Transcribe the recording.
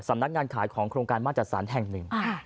สำนักงานขายของโครงการมาตรจัดสรรแห่งหนึ่ง